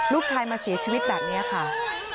ลูกชายมาเสียชีวิตแบบนี้ค่ะ